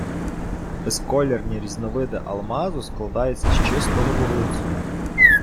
Безколірні різновиди алмазу складаються з чистого вуглецю.